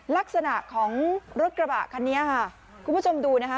ลักษณะของรถกระบะคันนี้ค่ะคุณผู้ชมดูนะคะ